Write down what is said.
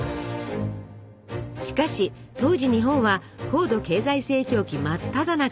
しかし当時日本は高度経済成長期真っただ中。